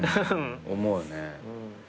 思うね。